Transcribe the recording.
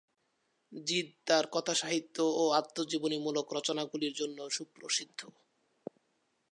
জিদ্ তার কথাসাহিত্য ও আত্মজীবনীমূলক রচনাগুলির জন্য সুপ্রসিদ্ধ।